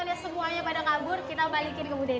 daripada penontonnya semuanya pada kabur kita balikin ke budede ya